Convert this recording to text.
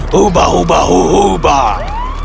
hubah hubah hubah